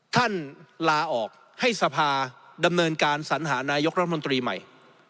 ท่านลาออกให้สภาดำเนินการสัญหานายกรัฐมนตรีใหม่